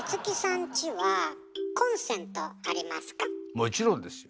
もちろんですよ。